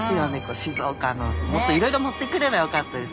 静岡のもっといろいろ持ってくればよかったです